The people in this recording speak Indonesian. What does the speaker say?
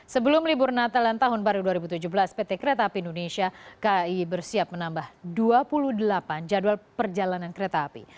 sebelum libur natal dan tahun baru dua ribu tujuh belas pt kereta api indonesia kai bersiap menambah dua puluh delapan jadwal perjalanan kereta api